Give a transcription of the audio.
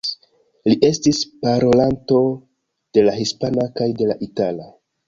Li estis parolanto de la hispana kaj de la itala.